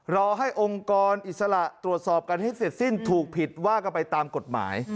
รอให้องค์กรอิสระตรวจสอบกันให้เสร็จสิ้นถูกผิดว่ากันไปตามกฎหมาย